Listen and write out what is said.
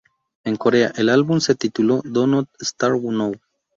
En Corea, el álbum se tituló "Do not Start Now".